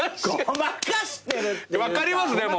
分かりますでも。